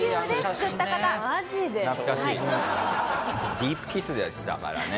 ディープキスでしたからね。